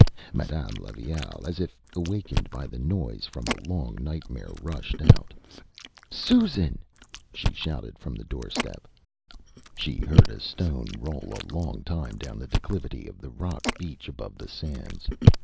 Madame Levaille, as if awakened by the noise from a long nightmare, rushed out. ÂSusan!Â she shouted from the doorstep. She heard a stone roll a long time down the declivity of the rocky beach above the sands.